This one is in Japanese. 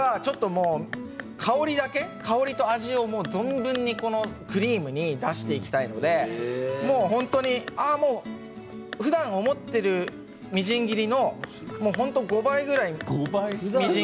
香りと味を存分にクリームに出していきたいのでふだん思っているみじん切りの本当に５倍ぐらいですね。